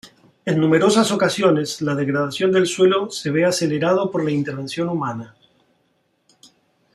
En numerosas ocasiones la degradación del suelo se ve acelerado por la intervención humana.